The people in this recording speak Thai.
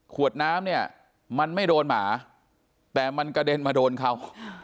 ขวดน้ำเนี่ยมันไม่โดนหมาแต่มันกระเด็นมาโดนเขา